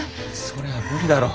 それは無理だろ。